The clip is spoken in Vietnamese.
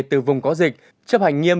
từ vùng có dịch chấp hành nghiêm